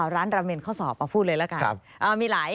ร้านราเมนข้อสอบมาพูดเลยละกัน